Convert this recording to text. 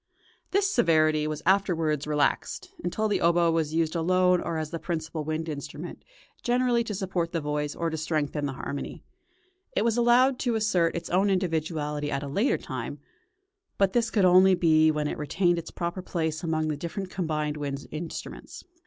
" This severity was afterwards relaxed, until the oboe was used alone or as the principal wind instrument, generally to support the voice or to strengthen the harmony. It was {CHURCH MUSIC.} (284) allowed to assert its own individuality at a later time, but this could only be when it retained its proper place among the different combined wind instruments.